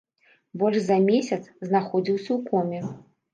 Больш за месяц месяц знаходзіўся ў коме.